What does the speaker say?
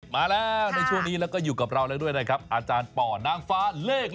มาแล้วในช่วงนี้แล้วก็อยู่กับเราแล้วด้วยนะครับอาจารย์ป่อนางฟ้าเลข๑